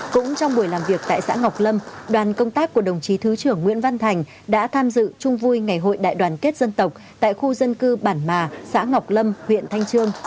cũng trong buổi làm việc tại xã ngọc lâm đoàn công tác của đồng chí thứ trưởng nguyễn văn thành đã tham dự chung vui ngày hội đại đoàn kết dân tộc tại khu dân cư bản mà xã ngọc lâm huyện thanh trương